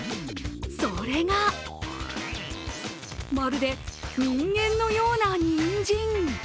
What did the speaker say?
それがまるで人間のようなにんじん。